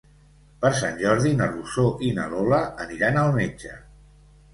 Per Sant Jordi na Rosó i na Lola aniran al metge.